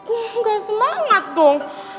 enggak semangat dong